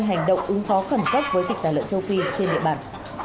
hành động ứng phó khẩn cấp với dịch tả lợn châu phi trên địa bàn